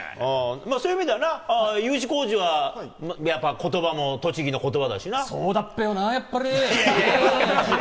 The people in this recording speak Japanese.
そういう意味ではＵ字工事はやっぱことばも栃木のことばだしそうだっぺよな、やっぱり。